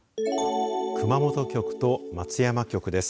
熊本局と松山局です。